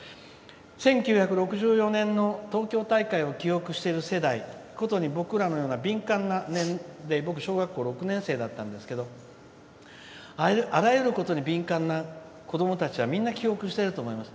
１９６４年の東京大会を記憶している世代ことに僕らのような敏感な年齢僕小学校６年生だったんですけどあらゆることに敏感な子どもたちは、みんな記憶していると思います。